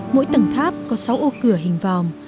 mỗi tầng tháp có sáu ô cửa hình vòng